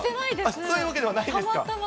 そういうわけではないですか。